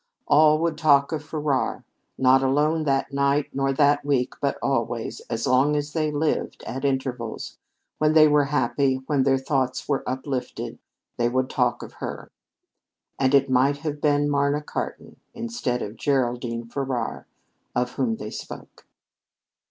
All would talk of Farrar. Not alone that night, nor that week, but always, as long as they lived, at intervals, when they were happy, when their thoughts were uplifted, they would talk of her. And it might have been Marna Cartan instead of Geraldine Farrar of whom they spoke!